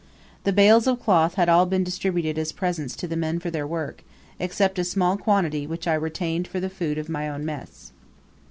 The bales of cloth had all been distributed as presents to the men for their work, except a small quantity which I retained for the food of my own mess.